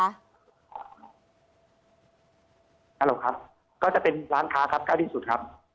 หลบครับก็จะเป็นร้านค้าครับใกล้ที่สุดครับ